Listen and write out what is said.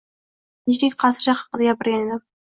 Men Tinchlik qasri haqida gapirgan edim